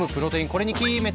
これに決めた！